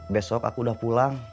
besok aku udah pulang